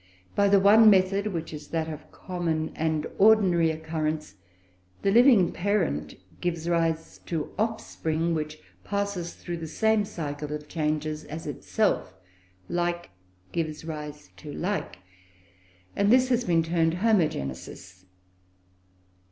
By the one method, which is that of common and ordinary occurrence, the living parent gives rise to offspring which passes through the same cycle of changes as itself like gives rise to like; and this has been termed Homogenesis.